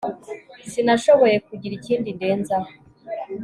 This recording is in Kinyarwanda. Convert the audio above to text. sinashoboye kugira ikindi ndenzaho .